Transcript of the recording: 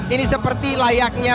ini seperti layaknya